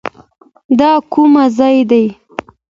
دا کوم ځای دی؟